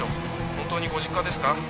本当にご実家ですか？